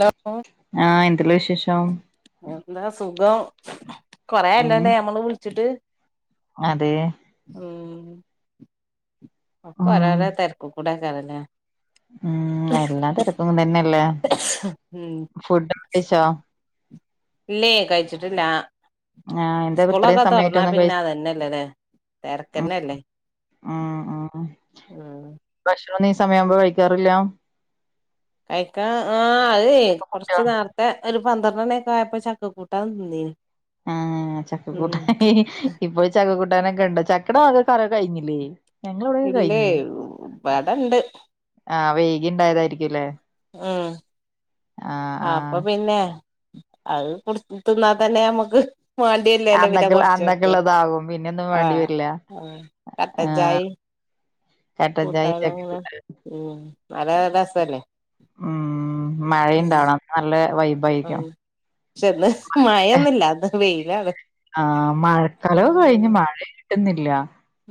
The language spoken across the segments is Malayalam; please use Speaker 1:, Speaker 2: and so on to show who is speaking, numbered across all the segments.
Speaker 1: ഹലോ
Speaker 2: ആ എന്തെല്ല വിശേഷം
Speaker 1: എന്താ സുഖം കൊറേയല്ലണ്ണെ നമ്മള് വ്ൾച്ച്ട്ട്
Speaker 2: അതേ
Speaker 1: ഉം ഒക്കെ
Speaker 2: ഉം
Speaker 1: ഓരോരോ തെരക്ക്കൂടേക്കാരല്ലേ
Speaker 2: ഉം എല്ലാ തെരരക്കും തന്നെല്ലേ
Speaker 1: ഉം
Speaker 2: ഫുഡ [unintelligible] ച്ചോ
Speaker 1: ഇല്ലേ കയ്ച്ച്ട്ട്ല്ലാ
Speaker 2: ആഹ് എന്താ ഇത്രയും
Speaker 1: സ്കൂളൊക്കെ തൊറ്ന്നാ
Speaker 2: സമയായിട്ടൊന്നും കഴി
Speaker 1: പിന്നെ അതന്നെല്ലെല്ലേ
Speaker 2: ഉം
Speaker 1: തെരക്കന്നെല്ലേ
Speaker 2: ഉം ഉം ഭക്ഷണാെന്നും ഈ സമയാവുമ്പോ കഴിക്കാറില്ല
Speaker 1: കഴിക്കാ ആ അതേ
Speaker 2: ചക്കക്കൂട്ടാ
Speaker 1: കൊർച്ച് നേറ്ത്തെ ഒര് പന്ത്രണ്ണണിക്കായപ്പം ചക്ക കൂട്ടാൻ തിന്നീനി
Speaker 2: ആ ചക്കക്കൂട്ടാ ഇപ്പളും ചക്കക്കൂ ട്ടാനൊക്കെണ്ടോ ചക്കടെ [unintelligible] കറ കഴ്ഞ്ഞില്ലേ ഞങ്ങളെവിടെക്കെ
Speaker 1: ഇല്ലേ
Speaker 2: കയ്ഞ്ഞ്
Speaker 1: ഇവടണ്ട്
Speaker 2: ആ വെയ്കിണ്ടായതായിരിക്കുംലേ
Speaker 1: ആ അപ്പൊ
Speaker 2: ആഹ്
Speaker 1: പിന്നെ അത് കൊട് തിന്നാ തന്നെ ഞമക്ക് വാണ്ട്യര്ലല്ലോ പിന്നെ
Speaker 2: അന്നൊക്കെ
Speaker 1: കൊർച്ചേര്ത്ത്
Speaker 2: അന്നൊക്കെള്ളതാകും പിന്നൊന്നും
Speaker 1: ആ
Speaker 2: വേണ്ടി വരില്ല
Speaker 1: ആ കട്ടൻ ചായേം
Speaker 2: കട്ടൻ ചായേം
Speaker 1: കൂട്ടാനങ്ങനെ
Speaker 2: ചക്കക്കൂട്ടാനും
Speaker 1: ഉം അതങ്ങരസല്ലേ
Speaker 2: ഉം
Speaker 1: ഉം
Speaker 2: മഴയുണ്ടാവണം നല്ല
Speaker 1: ആ
Speaker 2: വൈബായിരിക്കും
Speaker 1: ക്ഷെന്ന് മഴൊന്നുല്ല അത് വെയ്ലാണ്
Speaker 2: ആ മഴക്കാലവും കഴിഞ്ഞ് മഴ കിട്ട്ന്നില്ല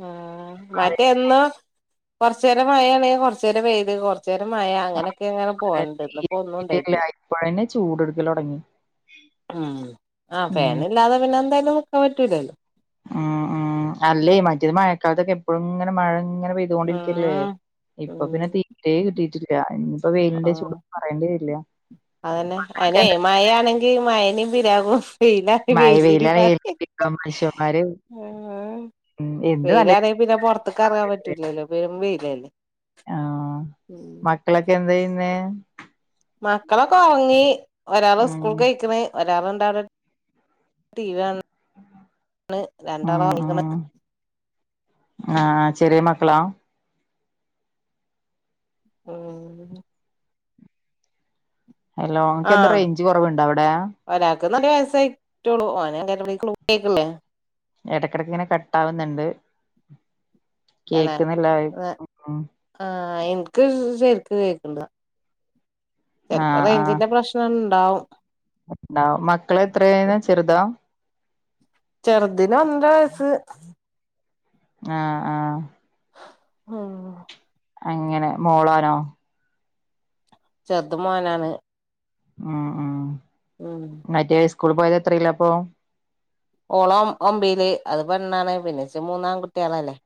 Speaker 1: ആ മറ്റേ എന്നോ കൊർച്ചേരം മയാണേ കൊർച്ചേരം വെയ്ല് കൊ ച്ചേരം മയ അങ്ങനെക്കെങ്ങനെ പോവണ്ട് ഇന്ന്പ്പോ
Speaker 2: കിട്ടിയില്ല
Speaker 1: ഒന്നുംണ്ടായിട്ട്ല്ല
Speaker 2: ഇപ്പഴന്നെ ചൂടെടുക്കല് തൊടങ്ങി.
Speaker 1: ഉം ആ
Speaker 2: ഉം
Speaker 1: ഫേനില്ലാതെ പിന്നെ എന്തായാലും നിക്കാ പറ്റൂലല്ലോ
Speaker 2: ഉം ഉം അല്ലേ മറ്റത് മഴക്കാലത്തൊക്കെ എപ്പഴുംങ്ങനെ മഴ ഇങ്ങനെ പെയ്ത്കൊണ്ടിരിക്കല്ലേ
Speaker 1: ഉം
Speaker 2: ഇപ്പൊ പിന്നെ തീരേ കിട്ടീട്ടില്ല
Speaker 1: ആ അതന്നെ അയ്നെ
Speaker 2: ഇങ്ങക്കെന്താ
Speaker 1: മയയാണെങ്കി മയനിം പിരാകും വെയിലാണെങ്കി
Speaker 2: മഴ
Speaker 1: വെയ്ല്നിം
Speaker 2: വെയിലാണെങ്കി
Speaker 1: പറിം
Speaker 2: മനുഷ്യന്മാര് ഉം എന്ത് നല്ല
Speaker 1: വെയ്ലാണെ പിന്നെ പൊർത്ത്ക്കെർങ്ങാ പറ്റൂലല്ലോ പെരും വെ
Speaker 2: ആ മക്കളൊക്കെ എന്തെയ്യ്ന്നേ
Speaker 1: മക്കളൊക്കെ ഒർങ്ങി ഒരാള്
Speaker 2: ഉം
Speaker 1: സ്കൂൾക്കൊയ്ക്ക്ണ് ഒരാള് [unintelligible] ടിവി കാൺ
Speaker 2: ഉം
Speaker 1: ഒറങ്ങിക്ക്ണ്
Speaker 2: ഉം ആ ചെറ്യേ മ ക്കളാ
Speaker 1: [unintelligible]
Speaker 2: ഹലോ ങ്ങ്ക്കെന്താ റെയ്ഞ്ച് കൊറവ്ണ്ടോ അവ്ടെ
Speaker 1: [unintelligible] ര് വയസായിട്ടാെള്ളൂ ഓനെ അംഗൻവാടിക്ക് [unintelligible]
Speaker 2: എടക്കെട്ക്ക്ങ്ങനെ കട്ടാവ്ന്ന്ണ്ട്
Speaker 1: തെന്നെ ആ ഇൻക്ക് ശെര്ക്ക് കേക്ക്ൺല്ല ചെൽപ്പോ റേയ്ഞ്ചിന്റെ പ്രശ്നണ്ടാവും
Speaker 2: [unintelligible] മക്കളെ എത്രേ ചെറ്താ
Speaker 1: ചെറുതിന് ഒന്നര വയസ്സ്
Speaker 2: ആ ആ
Speaker 1: ആ
Speaker 2: അങ്ങനെ മോളോനോ
Speaker 1: ചെറ്ത് മോനാണ്
Speaker 2: ഉം ഉം
Speaker 1: ഉം
Speaker 2: മറ്റേ സ്കൂള് പോയത് എത്രേല പ്പൊ
Speaker 1: ഓള് ഒമ്പേല് അത് പെണ്ണാണ് പിന്നച്ച മൂന്നാങ്ങുട്ട്യാളല്ലേ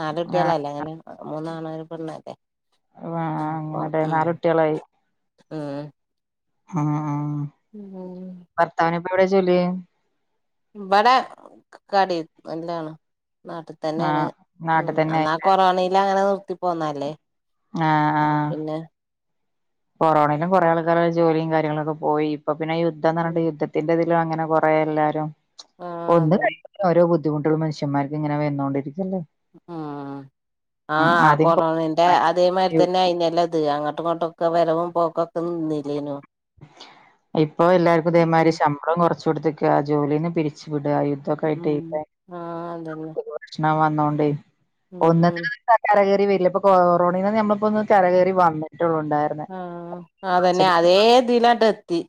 Speaker 1: നാല്
Speaker 2: ആഹ്
Speaker 1: കുട്ട്യാളല്ലേ അങ്ങനെ മൂന്നാണും ഒരു പെണ്ണല്ലേ
Speaker 2: ആ അങ്ങനെടെ നാലുട്ട്യാളായി
Speaker 1: ആ
Speaker 2: ആ
Speaker 1: [unintelligible]
Speaker 2: എവടെ ജോലി
Speaker 1: വടെ കടി നല്ലാണ് നാട്ട്ത്തെന്നെണ്
Speaker 2: ആഹ്
Speaker 1: ഉം
Speaker 2: നാട്ടിൽ തന്നെ
Speaker 1: അന്നാ കൊറോണേല് അങ്ങനെ നിർത്തി പോന്നല്ലേ
Speaker 2: ആ
Speaker 1: അപ്പൊ
Speaker 2: ആ
Speaker 1: പിന്നെ
Speaker 2: കൊറോണെലും കൊറെ ആൾക്കാര് ജോലിയും കാര്യങ്ങളൊക്കെ പോയി ഇപ്പൊ പിന്നെ
Speaker 1: ഉം
Speaker 2: യുദ്ധംന്നറഞ്ട്ടു യുദ്ധത്തിന്റെ അങ്ങനെ കൊറേ എല്ലാരും
Speaker 1: ആ
Speaker 2: ഒന്ന്
Speaker 1: അതെ
Speaker 2: ഒരോ ബുദ്ധിമുട്ടെളും മനുഷ്യന്മാർക്ക് ഇങ്ങനെ വന്നോണ്ടിരിക്കും
Speaker 1: ഉം
Speaker 2: ഉം
Speaker 1: ആഹ്
Speaker 2: ആദ്യം
Speaker 1: കൊറോണെന്റെ
Speaker 2: കൊ
Speaker 1: അതേമായ് രി തന്നെ അയ്ന്യല്ലൊ ഇത് [unintelligible] അട്ടും ഇങ്ങോട്ടൊക്കെ വരവും പോക്കൊക്കെ നിന്നില്ലേയ്നോ
Speaker 2: ഇപ്പോ എല്ലാർക്കും
Speaker 1: ഉം
Speaker 2: ഇതേമായ്രി ശമ്പളം കൊറച്ച് കൊടുത്തേക്കാ ജോലീന്ന് പിരിച്ചു വി ആഹ് യുദ്ധൊക്കായിട്ട്
Speaker 1: ഉം ആ അതന്നെ
Speaker 2: [unintelligible] പ്രശ്നം [unintelligible] ണോണ്ടെയ്
Speaker 1: ഉം
Speaker 2: [unintelligible] വരില്ല അപ്പൊ കൊറോണെ നമ്മക്ക് [unintelligible]
Speaker 1: ആഹ് അതന്നെ അതേ ദിലാട്ടെത്തി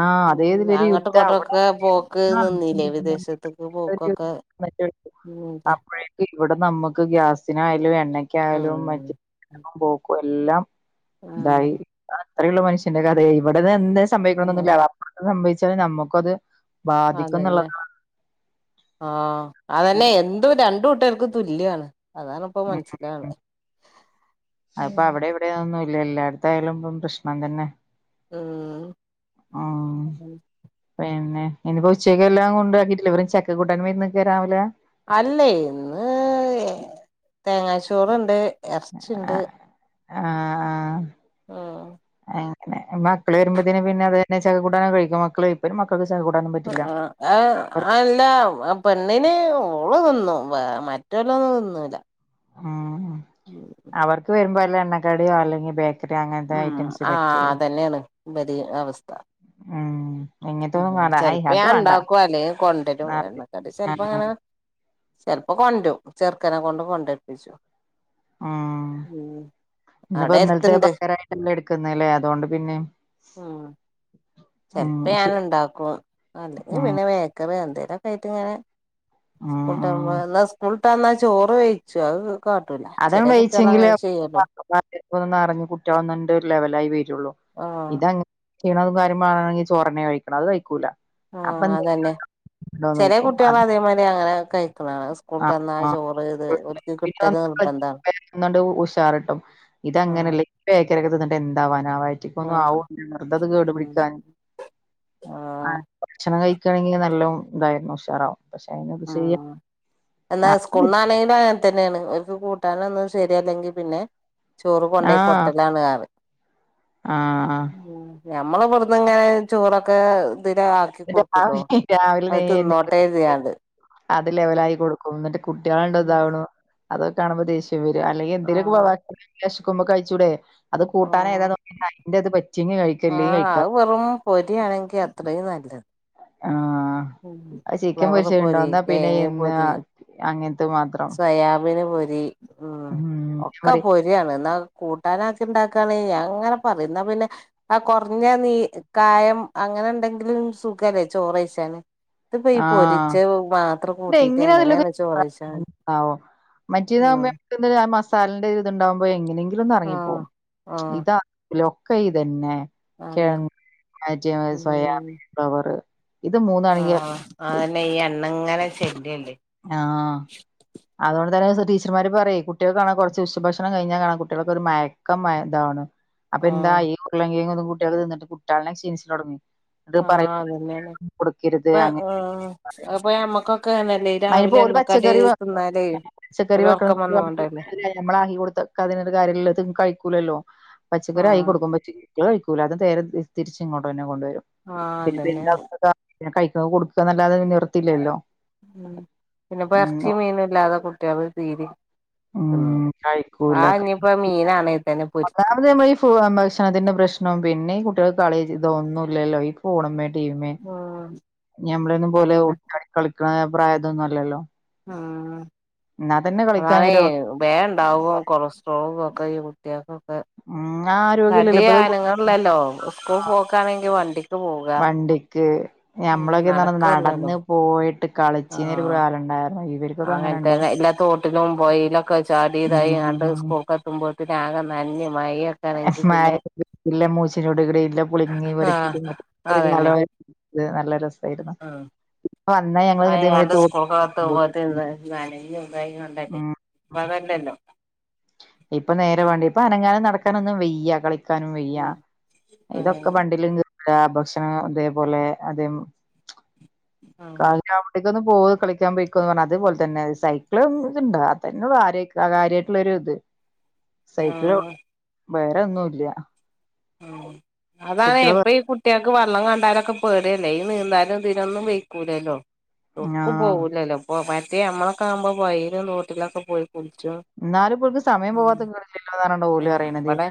Speaker 2: ആഹ് അതേതിലൊരു യുദ്ധ അവ്ടെ
Speaker 1: പോക്ക് നിന്നില്ലേ
Speaker 2: ആഹ്
Speaker 1: വിദേശത്ത്ക്ക് പോക്കൊക്കെ
Speaker 2: [unintelligible]
Speaker 1: ഉം
Speaker 2: [unintelligible]
Speaker 1: അതെ
Speaker 2: അപ്പോഴേക്ക് ഇവടെ നമ്മെക്ക് ഗ്യാസിനായാലും
Speaker 1: ആ
Speaker 2: എണ്ണക്കായാലും മറ്റ് പോക്കും എല്ലാം
Speaker 1: ആ
Speaker 2: ഇണ്ടായി അത്രയൊള്ളു മനുഷ്യന്റെ കഥെയെ ഇവിടെന്ന് എന്ത്
Speaker 1: ആ
Speaker 2: ഇവ്ട്ന്നൊന്നുല്ല വാപ്പ് സംഭവിച്ചാല് നമ്മുക്ക്വത്
Speaker 1: അതന്നെ ആഹ്
Speaker 2: ഉം
Speaker 1: അതന്നെ എന്ത് രണ്ടു കുട്ടർക്ക് തുല്യാണ് അതാണ് ഇപ്പൊ
Speaker 2: ഉം
Speaker 1: മനസിലാവ്ണ്
Speaker 2: അതിപ്പോ അവിടെ ഇവിടെയൊന്നും ഇല്ല എല്ലാട്ത്തായലും ഇപ്പ പ്രശ്നം തന്നെ
Speaker 1: ഉം
Speaker 2: ഉം പിന്നെ ഇനിപ്പോ ഉച്ചെയ്ക്കെല്ലാം കൊണ്ടാക്കിട്ട് ഇല്ലവരും ചക്കൂട്ടാനു വ [unintelligible] ക്കെ രാവില്ല
Speaker 1: അല്ലെയ് ഇന്ന് തേങ്ങാച്ചോറ്ണ്ട് എറ്ച്ചിണ്ട്
Speaker 2: ആഹ്
Speaker 1: ഉം
Speaker 2: അങ്ങനെ മക്കള് വരുമ്പത്തേന് പിന്നെ അത് തന്നെ ചെക്ക കൂട്ടാനൊക്കെ കഴിക്കും മക്കളു വരുമ്പം മക്കള് ചക്ക കൂട്ടാനൊന്നും പറ്റില്ല
Speaker 1: ആഹ് അഹ്
Speaker 2: അവർ
Speaker 1: ആല്ലാ ആ പെണ്ണിന് ഓള് തിന്നു മറ്റൊലൊന്നു തിന്നൂല
Speaker 2: ഉം അവർക്ക് വരുമ്പോ വല്ല എണ്ണ ക്കടിയോ അല്ലെങ്കിൽ ബേക്
Speaker 1: ഉം ആ അതന്നേണ് ഇബരിം അവസ്ഥ
Speaker 2: ഉം ഇങ്ങനത്തൊന്നും വേണ്ട അയ്
Speaker 1: ചെൽപ്പം
Speaker 2: അത് വേണ്ട
Speaker 1: ഞാൻണ്ടാക്കും അല്ലേ കൊണ്ടരും
Speaker 2: ആഹ്
Speaker 1: എണ്ണക്കടി ചെൽപ്പം ങ്ങനേ ചെൽപ്പം കൊന്റും ചെറുക്കനെ കൊണ്ട് കൊണ്ടര്പ്പിച്ചും ഉം
Speaker 2: ഇന്നപ്പോ
Speaker 1: അവിടെ
Speaker 2: ഇന്നലത്തെ
Speaker 1: എടുത്തുണ്ട്
Speaker 2: പകരമായിട്ടല്ലേ എടുക്കുന്നെ അല്ലെ അതുകൊണ്ട് പിന്നെ
Speaker 1: ആ
Speaker 2: ഉം
Speaker 1: ചെലപ്പ
Speaker 2: ശരി
Speaker 1: ഞാനുണ്ടാക്കും അല്ലെങ്കി
Speaker 2: ഉം
Speaker 1: പിന്നെ ബേക്കറി എന്തേലൊക്കെ ആയിട്ടിങ്ങനെ
Speaker 2: ഉം ഉം
Speaker 1: സ്കൂളിട്ടെന്നാൽ എന്നാ സ്കൂളട്ടന്നാ [unintelligible] ചോറ് കഴിച്ചോ അത് കാട്ടൂല
Speaker 2: അതേം
Speaker 1: ചെല കുട്ടികൾ
Speaker 2: വെയിച്ചങ്കിലെ
Speaker 1: അങ്ങനെ ചെയ്യല്ലോ
Speaker 2: അറിഞ്ഞെ കുട്ടികളൊന്നുണ്ടൊരു ലെവലായി വരുള്ളൂ
Speaker 1: ആ
Speaker 2: ചെയ്യണത കാര്യം പറേ വാ ണെങ്കിൽ ചോറന്നെ കഴിക്കണം അത് കഴിക്കൂല
Speaker 1: ആഹ് അതന്നെ
Speaker 2: അപ്പന്തണ്ടോന [unintelligible] കയിക്കും അത്
Speaker 1: സ്കൂള
Speaker 2: ആ
Speaker 1: തന്നാ
Speaker 2: ആ
Speaker 1: ചോറ് ചെയ്ത് ഒരിക്കും കിട്ടല് നിർബ്ബന്താണെ
Speaker 2: ന്നണ്ട് ഉഷാറിട്ടും ഇതങ്ങനല്ല ബേക്കറിക്കെ തിന്നിട്ട് എന്താവാൻ റ്റക്ക ഒന്നും [unintelligible] ആവോ
Speaker 1: ആഹ്
Speaker 2: വെറുതത് കേടു
Speaker 1: ഉം
Speaker 2: പിടിക്കാനും ആ
Speaker 1: ആഹ്
Speaker 2: ഭക്ഷണം കഴിക്കയാണെങ്കിൽ നല്ല ഇതായിരുന്നു ഉഷാറാവും പക്ഷെ അയിന് ഇത് ചെയ്യാം
Speaker 1: ആഹ് എന്നാ സ്ക്കുണ്ണാനായിന തന്നെയാണ് ഒക്ക് കൂട്ടാനൊന്നും ശരിയായില്ലെങ്കിൽ പിന്നെ ചോറ് കൊണ്ടോയി കൊട്ടലാണ് കാറ്
Speaker 2: ആ ആ
Speaker 1: ഞമ്മളിവിടിന്നിങ്ങനെ ചോറൊക്കെ ഇതിര ആക്കി കൊടുക്കൂട്ടോ
Speaker 2: രാവിലെ
Speaker 1: അത്
Speaker 2: രാവിലെ
Speaker 1: തിന്നോട്ടെ എഴുതിയണ്ട്
Speaker 2: അത് ലെവലായി കൊടുക്കും എന്നിട്ട് കുട്ടികളണ്ട്
Speaker 1: ഉം
Speaker 2: ഇതാവണു അതൊക്കൊണുമ്പ ദേശ്യം ലെവലെ അല്ലെങ്കി എന്തേലും
Speaker 1: ആഹ്
Speaker 2: പോവ വിശക്കുമ്പം കഴിച്ചൂടെ അത് കൂട്ടാന ഏതാ
Speaker 1: ആഹ്
Speaker 2: നോക്ക അതിന്റെ അത് പറ്റി കഴിക്കല്ല അല്ലെങ്കി
Speaker 1: ആഹ്
Speaker 2: കഴിക്കാ
Speaker 1: അത് അ
Speaker 2: ആ ചിക്കൻ പൊരിച്ച ഉണ്ടോ
Speaker 1: പൊരി
Speaker 2: എന്നാ പിന്നെ
Speaker 1: കിഴങ്ങ്
Speaker 2: ഇന്ന്
Speaker 1: പൊരി
Speaker 2: അങ്ങനെ ഇതു മാത്രം
Speaker 1: അമനപൊരി ഉം
Speaker 2: ഞാൻ
Speaker 1: ഒക്കെ
Speaker 2: പറയും
Speaker 1: പൊരിയാണ് എന്നാ കൂട്ടാനാക്കി ഉണ്ടാക്കാണേ അങ്ങനെ പറയുന്ന പിന്നെ ആ കുറഞ്ഞ നീ കായം അങ്ങനെ ഉണ്ടെങ്കിലും സുഖല്ലേ ചോറയിച്ചാനെ ഇതിപ്പ ഈ
Speaker 2: ആഹ്
Speaker 1: പൊരിച്ച മാത്രം കൂട്ടിയിട്ട്
Speaker 2: ഇതെങ്ങനെയാന്നല്ലത്
Speaker 1: എങ്ങനെയാണ് ചോറയിച്ചണെ
Speaker 2: ആവോ മറ്റേതാവുമ്പം [unintelligible] മസാലിന്റെ ഇതുണ്ടാവുമ്പോ എങ്ങനെങ്കി
Speaker 1: ആഹ്
Speaker 2: ഇതിലൊന്നിറങ്ങിപ്പോം
Speaker 1: ആഹ്
Speaker 2: ഇതാ ലൊ ക്കെ ഇതന്നെ
Speaker 1: അങ്ങനെ
Speaker 2: കിഴങ്ങെ [unintelligible] സോയാബീൻ ഫ്ലവറ് ഇത്
Speaker 1: ആ ആന്നേ ഈ എണ്ണങ്
Speaker 2: ആ അതുകൊണ്ടേതന്നെ ടീച്ചർമാര് പറയും കുട്ടികൾക്കാണെ കുറച്ച് ഉച്ചഭക്ഷണം കഴിഞ്ഞാൽ കാണാം കുട്ടികൾക്കൊരു മയക്കം ഇതാവാണ് [unintelligible] അപ്പൊ
Speaker 1: ആഹ്
Speaker 2: എന്താഈ ഉള്ളെങ്കും കൊും കുട്ടികൊക്ക [unintelligible] തിന്നിട്ട കുട്ട്യോളു ശീലിച്ചു തൊടങ്ങും അത് പറയ
Speaker 1: ആഹ് അതന്നെയാണ്
Speaker 2: കൊടുക്കരുത്
Speaker 1: ഇപ്പ
Speaker 2: അങ്ങനെ
Speaker 1: ആഹ്
Speaker 2: പറയും
Speaker 1: അപ്പൊ ഞമ്മക്കൊക്കെ അങ്ങനല്ലേ
Speaker 2: [unintelligible]
Speaker 1: രാവിലെ
Speaker 2: പോല
Speaker 1: എണ്ണക്കടി
Speaker 2: പച്ചക്കറിെ
Speaker 1: തിന്നാലേ
Speaker 2: പച്ചക്കറി
Speaker 1: ഒരു
Speaker 2: വെക്ക
Speaker 1: ഒറക്കം വന്നോണ്ടല്ലേ
Speaker 2: നമ്മൾ ആക്കി കൊടുത്ത ക്കത്തിനാത്തെ കാര്യമില്ല അതങ്ങേ കയിക്ക് ലാലോ പച്ചക്കറിയായി
Speaker 1: ആഹ്
Speaker 2: കൊടുക്കാൻ പറ്റില്ലാലോ തീരെ കയ്യ്കുല അത് നേരെ തിരിച് ഇങ്ങോട്ട് തന്നെ കൊണ്ടുവരും
Speaker 1: ആഹ് അതന്നെയാണ്
Speaker 2: പിന്നപ്പ എന്താക്ക കഴിക്കൻ കൊടുക്കുക എന്നല്ലാതെ വേറെ നിർത്തിയില്ലല്ലോ
Speaker 1: മ്മ് പിന്നെ ഇപ്പോ ഇറച്ചി മീനും ഇല്ലാതെ കുട്ടിയാള് തീരെ ആം
Speaker 2: ഉം
Speaker 1: ആ ഇനിപ്പ
Speaker 2: കഴിക്കൂല
Speaker 1: മീന
Speaker 2: ഒന്നാമത് ഈ ഭക്ഷണത്തിന്റെ പ്രശ്നവും പിന്നെ കുട്ടികൾ കളേയെ ചെയിത ഇതൊന്നുല്ലലോ ഈ ഫോണുമെ
Speaker 1: ആഹ
Speaker 2: ഞമ്മളൊന്നും പോലെ ഓടി കളിക്കുന്ന പ്രായതൊന്നും അല്ലല്ലോ
Speaker 1: ആ
Speaker 2: എന്നാ കളിക്കാൻ
Speaker 1: തന്നെ
Speaker 2: ഗ്രൗണ്ട്
Speaker 1: വേഗം ഉണ്ടാവും കൊളസ്ട്രോൾ [unintelligible]
Speaker 2: മ്മ്
Speaker 1: തടി അനങ്ങാനില്ലാലോ സ്കൂൾ
Speaker 2: കുട്ടികള്
Speaker 1: പോക്കാണെങ്കി വണ്ടിക്ക് പോക
Speaker 2: ഞമ്മളൊക്കെന്ത നടന്ന് പോയിട്ട് കളിച്ചീന്ന ഒരു
Speaker 1: ആഹ്
Speaker 2: കാലംണ്ടായിരുന്നു ഇവർക്കൊക്കെ അങ്ങനെയുണ്ടോ
Speaker 1: തൊട്ടിലും പോയിലൊക്കെ ചാടിയതായി കണ്ട് സ്കൂൾക്കെ എത്തുമ്പോഴേത്തന ആകെ നഞ്ഞും
Speaker 2: മ്ഹ് മാങ്ങോം [unintelligible] പുളിങ്ങി പറച്ച്
Speaker 1: ആഹ്
Speaker 2: തിന്നും [unintelligible] അത്
Speaker 1: അതന്നെ
Speaker 2: നല്ല രസായിരുന്നു വന്നാ ഞങ്ങള്
Speaker 1: അയ്
Speaker 2: ഇതേമാതിരി
Speaker 1: അന്ന്
Speaker 2: തോ
Speaker 1: സ്‌കൂൾ [unintelligible]
Speaker 2: ഉം
Speaker 1: അതല്ലല്ലോ
Speaker 2: ഇപ്പൊ നേരെ വേണ്ടി പ്പോ ഇപ്പൊ അനങ്ങാനും നടക്കാനൊന്നും വെയ്യ നടക്കാനും വയ്യ
Speaker 1: ഉം
Speaker 2: ഇതൊക്കെ
Speaker 1: അങ്ങനെ
Speaker 2: വണ്ടിലും ല്ലാ ഭക്ഷണം അതേപോലെ അതോം
Speaker 1: ആഹ്
Speaker 2: കായിനാ അവിടെക്കോന്നു പോയി കളിക്കാൻ പോയിക്കോന്ന് പറഞ്ഞ അതുപോലെ തന്നെ സൈക്കിളും ഇതുണ്ട് അ തന്ന കാര്യമായിട്ടുള്ളൊരു ഇത് സൈക്കിളട്ടും
Speaker 1: ആഹ്
Speaker 2: വേറെന്നുംല്ല
Speaker 1: അതാണ് എപ്പോഴും ഈ കുട്ടികൾക്ക് പറ വെള്ളം കണ്ടാലൊക്കെ പേടിയല്ലേ ഈ നീന്താലും ഇതിനൊന്നും വയിക്കൂലല്ലോ ഒക്ക്
Speaker 2: ആഹ്
Speaker 1: പോകൂലല്ലോ ഇപ്പൊ പറ്റ നമ്മളൊക്കെ ആകുമ്പോ വയിലും തോട്ടിലൊക്കെ പോയി കുളിച്ചും
Speaker 2: എന്നാലും ഇപ്പോൾക്ക് സമയം പോവാത്തിണലില്ലേല്ലോ ഓരെണ്ണം
Speaker 1: മ് ഇബടെ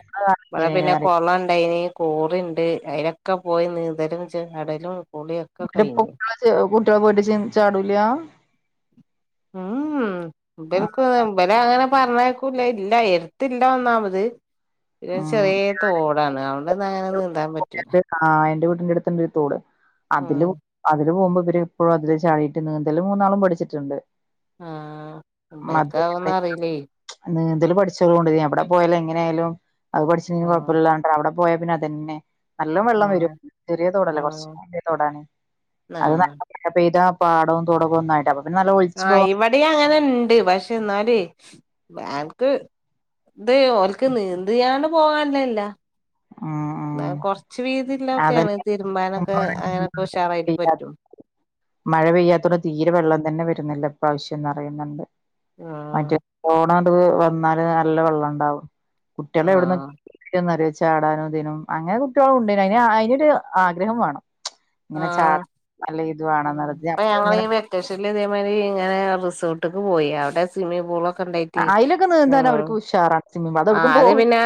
Speaker 1: ഇവിടെ പിന്നെ കോളം ഇണ്ടേ കോളം ഇണ്ട് കോറി ഇണ്ട് അലൊക്കെ പോയി നീന്തലും ചടലും
Speaker 2: എന്നട്ടപ്പ കുട്ടികള് ചെ കുട്ടികളെ പോയി ചെന്ന് ചാടൂല
Speaker 1: ഉംമ്മ്
Speaker 2: ആഹ്
Speaker 1: ഇവലക്ക് ഇബലെ അങ്ങനെ പറഞ്ഞക്കൂല ഇല്ല എടുത്തില്ല ഒന്നാമത് പിന്ന ചെറിയ തോടാണ് തൊട്ട്ന്ന് അങ്ങനെ നിന്താൻ പറ്റോ
Speaker 2: എൻ്റെ ആ എന്റെ വീട്ടിന്റെ അടുത്ത് ഒരു തോട് അതില്
Speaker 1: ആഹ്
Speaker 2: അതില് പോകുമ്പോ ഇവരിപ്പോഴ അതില് ചാടിട്ട് നീന്തലും മൂന്നാളും പഠിച്ചിട്ടുണ്ട്
Speaker 1: ആഹ്
Speaker 2: [unintelligible] അതു
Speaker 1: ഇബൽക്ക് അതൊന്നും
Speaker 2: തന്നെയാണ്
Speaker 1: അറിയില്ലേ
Speaker 2: നിന്തൽ പഠിച്ചോളൂണ്ട് നീ എവിടെപോയാലും എങ്ങനെയായാലും അത് പഠിച്ചിട്ട
Speaker 1: ആഹ്
Speaker 2: കുഴപ്പമില്ലല്ലാണ്ടണ്ട് അവിടെ പോയാൽ പിന്ന അത്തന്നെ നല്ല വെള്ളം വരും
Speaker 1: ആഹ്
Speaker 2: ചെറിയ തോടല്ലേ
Speaker 1: ആഹ്
Speaker 2: കുറച്ചിയവലിയ തോടാണ് അത് നല്ല
Speaker 1: ആഹ്
Speaker 2: മഴ പെയ്താ പാടവും തുടകവുംന്നായിട്ട്
Speaker 1: ആ ഇവിടെയും അങ്ങനെ ഇണ്ട് പക്ഷെ എന്നാലുവെ അത് ഇത ഓലക്ക് നീന്തയാണ് പോകാനല്ല
Speaker 2: ഉം ഉം
Speaker 1: എന്ന കൊറച്ച് വീതി ല്ലക്കെയാണ്
Speaker 2: അതന്നെ
Speaker 1: തിരുമ്പാനൊക്കെ അങ്ങനെയൊക്കെ ഉഷാറായിട്ട് പറ്റും
Speaker 2: മഴ പെയ്യാത്തോടെ തീരെ വെള്ളം തന്നെ വരുന്നില്ല ഈ പ്രാവിശ്യം നറയുല്ല
Speaker 1: ആഹ്
Speaker 2: ന്നാത് വന്നാല് നല്ല വെള്ളം ഉണ്ടാവും കുട്ടികളെ
Speaker 1: ആഹ്
Speaker 2: എവിടന്ന് ചാടാനും നിന്താനും അങ്ങനെ കുട്ടികളും ഉണ്ട് അന് അതിനൊരു ആഗ്രഹം വേണം
Speaker 1: ആ
Speaker 2: ഇങ്ങനെ ചാടാൻ നല്ല ഇത് വേണംന്നുള്ളത്
Speaker 1: അപ്പൊ
Speaker 2: അപ്പ
Speaker 1: ഞങ്ങള്
Speaker 2: ഇങ്ങനെ
Speaker 1: ഈ വെക്കേഷൻ പിന്നെ അതേമാതിരി ഇങ്ങനെ റിസോർട്ട് പോയി അവിടെ സ്വിമ്മിംഗ് പൂളൊക്കെ ക്കെയുണ്ടായിട്ടെ
Speaker 2: അയിലൊക്കെ നീന്താൻ അവർക്ക് ഉഷാറാണ് സ്വിമ്മിംഗ് അത്
Speaker 1: ആ
Speaker 2: എവിടേക്കും
Speaker 1: അതു
Speaker 2: പോവില്ല
Speaker 1: പിന്നെ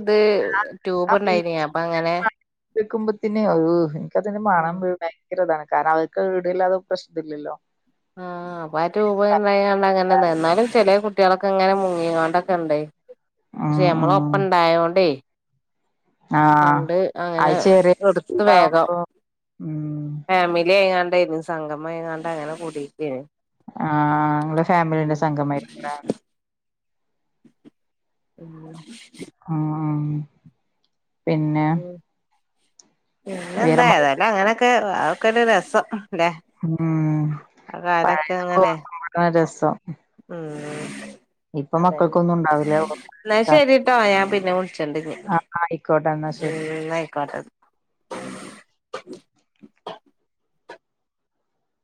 Speaker 1: ഇത് ട്യൂബ് ണ്ടായിനി അപ്പ അങ്ങനെ
Speaker 2: വെക്കുമ്പത്തിനേ അൾ എനിക്കതിന്റെ മാണം
Speaker 1: ആഹ്
Speaker 2: വതാണ് കാരണം അവർക്ക് വീടില്ല അതത് പ്രശ്ന ഇല്ലല്ലോ
Speaker 1: ആ അപ്പൊ റ്റുബ് ഉണ്ടായ കൊണ്ടങ്ങനെ എന്നാലും ചില കു കുട്ടികളക്കെ ഇങ്ങനെ മുങ്ങിയ കൊണ്ടൊക്കെ ഉണ്ടായി പക്ഷെ
Speaker 2: ഉം
Speaker 1: നമ്മള്
Speaker 2: ഉം
Speaker 1: ഒപ്പം ഇണ്ടായകൊണ്ടേ
Speaker 2: ആഹ്
Speaker 1: കണ്ട് അങ്ങനെ
Speaker 2: അത് ചെറിയ
Speaker 1: എടുത്ത് വേഗം
Speaker 2: ഇതാവുമ്പോ ഉം
Speaker 1: ഫാമിലി ആയക്കൊണ്ടരുന്നു സംഗമ ആയുണ്ട് അങ്ങനെ കൂടിയിരിക്കുകയായിരുന്നു
Speaker 2: ആ നിങ്ങടെ ഫാമിലിന്റെ സംഘമായിരിക്കല്ലേ
Speaker 1: ഉഹ
Speaker 2: ആ പിന്നെ
Speaker 1: പിന്നെ എന്താ
Speaker 2: വീരമ
Speaker 1: അതല്ല അങ്ങനെയൊക്കെ ആക്കെ ഒരു രസംല്ലേ
Speaker 2: ഉം പഴയതൊക്കെ
Speaker 1: അങ്ങനെ
Speaker 2: ഓർക്കുമ്പോഴാ രസം ഇപ്പൊ
Speaker 1: അതന്ന
Speaker 2: മക്കൾക്കൊന്നും ഉണ്ടാവില്ല.
Speaker 1: എന്നാ ശരിട്ടോ ഞാൻ പിന്നെ വിളിച്ചണ്ട്ഞ്ഞി ഉം
Speaker 2: ആ, ആയിക്കോട്ടെ എന്നാ ശരി.
Speaker 1: ന്നയിക്കോട്ടന്നാ